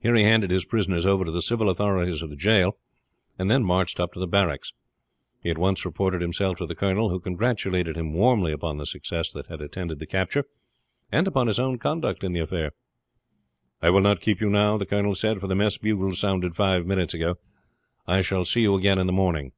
Here he handed his prisoners over to the civil authorities of the jail, and then marched up to the barracks. He at once reported himself to the colonel, who congratulated him warmly upon the success that had attended the capture, and upon his own conduct in the affair. "I will not keep you now," the colonel said, "for the mess bugle sounded five minutes ago. I shall see you again in the morning."